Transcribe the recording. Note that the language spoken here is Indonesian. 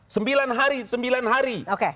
sembilan hari sembilan hari